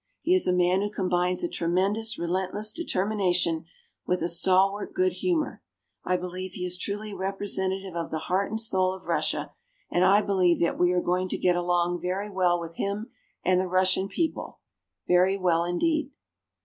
He is a man who combines a tremendous, relentless determination with a stalwart good humor. I believe he is truly representative of the heart and soul of Russia; and I believe that we are going to get along very well with him and the Russian people very well indeed.